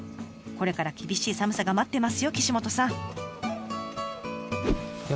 これから厳しい寒さが待ってますよ岸本さん。